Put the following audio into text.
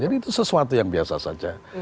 jadi itu sesuatu yang biasa saja